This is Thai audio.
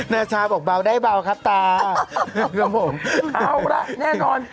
นาชาบอกเบาได้เบาครับตาครับผมเอาละแน่นอน